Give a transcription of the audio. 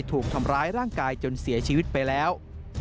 ถูกทำร้ายร่างกายจนเสียชีวิตไปแล้ว